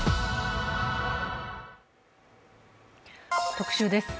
特集です。